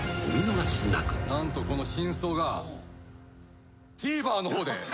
何とこの真相がＴＶｅｒの方で。